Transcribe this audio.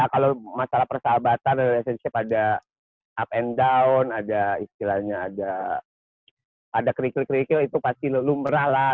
ya kalo masalah persahabatan relationship ada up and down ada istilahnya ada ada kerikil kerikil itu pasti lu mera lah